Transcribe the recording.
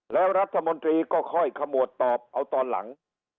แล้วรัฐมนตรีก็ค่อยขมวดตอบเอาตอนหลัง